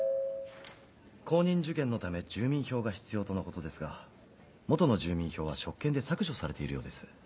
高認受験のため住民票が必要とのことですが元の住民票は職権で削除されているようです。